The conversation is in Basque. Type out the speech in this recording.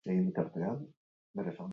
Gaur egun Albako Etxearen jabetzakoa da.